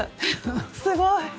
すごい！